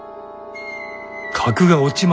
格が落ちまするぞ。